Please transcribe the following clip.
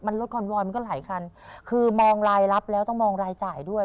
รถคอนวอนมันก็หลายคันคือมองรายรับแล้วต้องมองรายจ่ายด้วย